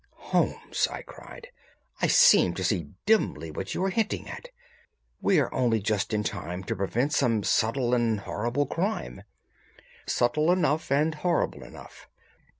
"Holmes," I cried, "I seem to see dimly what you are hinting at. We are only just in time to prevent some subtle and horrible crime." "Subtle enough and horrible enough.